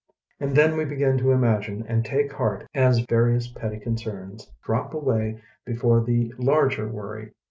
And then we begin to imagine and take heart as various petty concerns drop away before the larger worry.